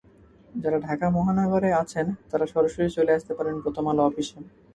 যাঁরা ঢাকা মহানগরে আছেন, তাঁরা সরাসরি চলে আসতে পারেন প্রথম আলো অফিসে।